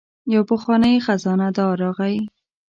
یو پخوانی خزانه دار راغی.